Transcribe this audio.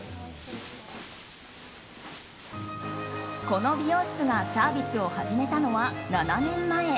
この美容室がサービスを始めたのは７年前。